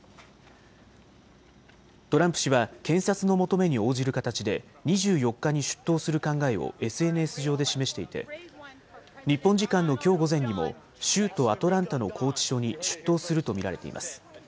トランプ氏は検察の求めに応じる形で、２４日に出頭する考えをＳＮＳ上で示していて、日本時間のきょう午前にも州都アトランタの拘置所に出頭すると見られています。